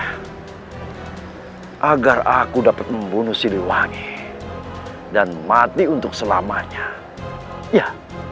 hai agar aku dapat membunuh siri wangi dan mati untuk selamanya ya